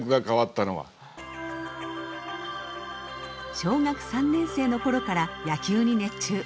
小学校３年生の頃から野球に熱中。